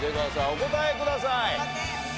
お答えください。